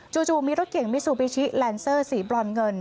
จู่มีรถเก่งมิซูบิชิแลนเซอร์สีบรอนเงิน